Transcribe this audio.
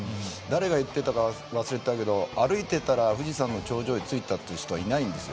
誰が言ってたか忘れたけど歩いてたら富士山の頂上へ着いた人はいないんです。